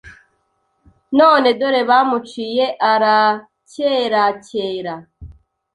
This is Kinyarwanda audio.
none dore bamuciye arakerakera